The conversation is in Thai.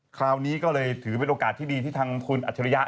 คราวนี้ก็เลยถือเป็นโอกาสที่ดีที่ทางคุณอัจฉริยะ